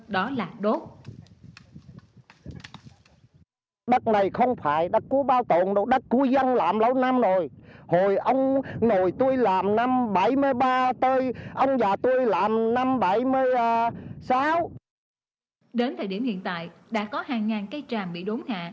đến thời điểm hiện tại đã có hàng ngàn cây tràm bị đốn hạ